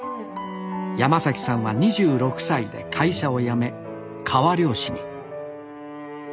山さんは２６歳で会社を辞め川漁師に。